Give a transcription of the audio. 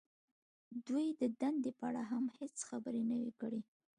دوی د دندې په اړه هم هېڅ خبرې نه وې کړې